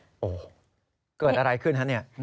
โอ้โหเกิดอะไรขึ้นฮะเนี่ย